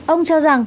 ông cho rằng